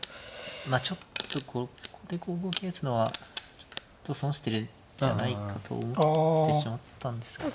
まあちょっとここで５五桂打つのはちょっと損してるんじゃないかと思ってしまったんですけど。